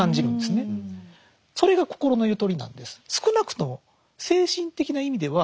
それが心のゆとりなんです。